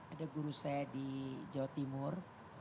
ada guru saya di jawa timur